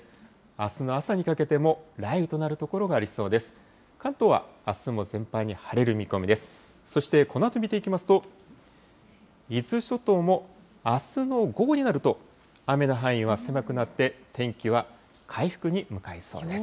あすの朝にかけても雷雨となる所がありそうです。